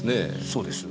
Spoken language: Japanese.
そうです。